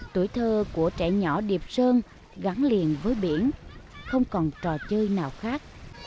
tuổi thơ của trẻ nhỏ điệp sơn gắn liền với biển không còn trò chơi nào khác